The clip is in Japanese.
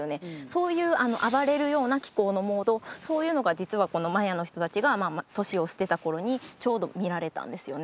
そういう暴れるような気候のモードそういうのが実はこのマヤの人達がまあ都市を捨てた頃にちょうど見られたんですよね